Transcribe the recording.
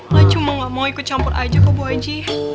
lu cuma gak mau ikut campur aja ke bu haji